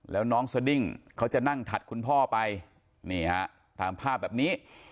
แล้วน้องสดิ้งเขาจะนั่งถัดคุณพ่อไปนี่ฮะตามภาพแบบนี้